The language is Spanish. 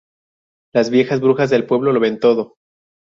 Las viejas brujas del pueblo lo ven todo.